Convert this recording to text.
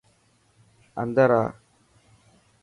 اندر آ.